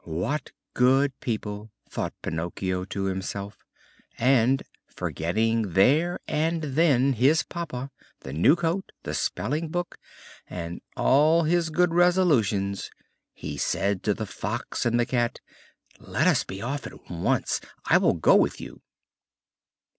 "What good people!" thought Pinocchio to himself, and, forgetting there and then his papa, the new coat, the spelling book, and all his good resolutions, he said to the Fox and the Cat: "Let us be off at once. I will go with you."